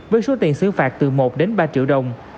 với số tiền xử phạt từ một đến ba triệu đồng